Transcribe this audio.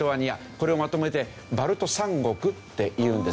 これをまとめて「バルト三国」って言うんですけど。